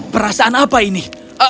perasaan apa ini